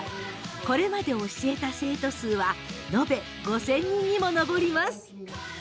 これまで教えた生徒数は延べ５０００人にも上ります。